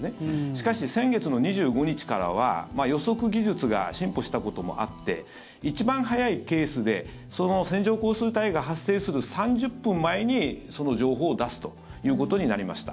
しかし、先月の２５日からは予測技術が進歩したこともあって一番早いケースで線状降水帯が発生する３０分前にその情報を出すということになりました。